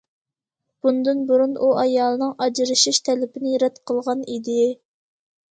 بۇندىن بۇرۇن، ئۇ ئايالىنىڭ ئاجرىشىش تەلىپىنى رەت قىلغان ئىدى.